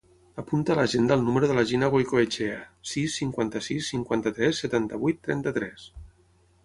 Apunta a l'agenda el número de la Gina Goicoechea: sis, cinquanta-sis, cinquanta-tres, setanta-vuit, trenta-tres.